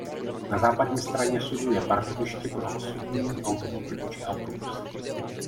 Na západní straně sudu je parkoviště pro osobní automobily či autobusy.